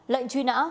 lệnh truy nã